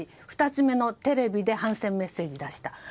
２つ目のテレビで反戦メッセージを出した。